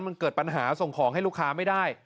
มันเกิดปัญหาส่งของให้ลูกค้าไม่ได้